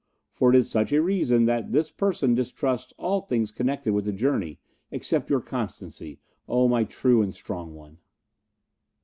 It is for such a reason that this person distrusts all things connected with the journey, except your constancy, oh, my true and strong one."